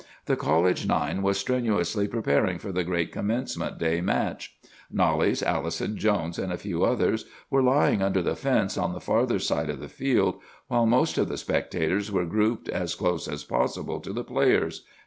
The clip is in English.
The college Nine was strenuously preparing for the great Commencement Day match. Knollys, Allison, Jones, and a few others, were lying under the fence on the farther side of the field, while most of the spectators were grouped as close as possible to the players.